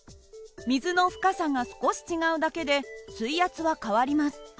水の深さが少し違うだけで水圧は変わります。